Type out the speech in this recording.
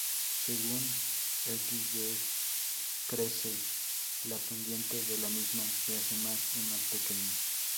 Según x decrece, la pendiente de la misma se hace más y más pequeña.